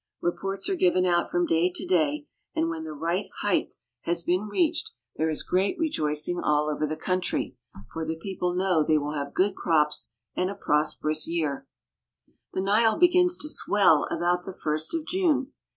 Reports are given It from day to day, and when the right height has been AFRICA ^V 86 ^^H reached there is great rejoicing all over the country, i ^^H the people know they will have good crops and a prospi ^^H ous year. ^^H The Nile begins to swell about the first of June.